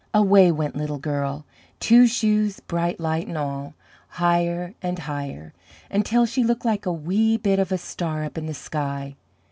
Away went Little Girl Two Shoes, Bright Light, and all higher and higher, until she looked like a wee bit of a star up in the sky.